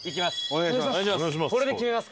お願いします。